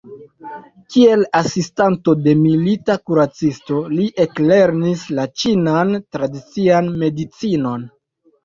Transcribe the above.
Kiel asistanto de milita kuracisto li eklernis la ĉinan tradician medicinon.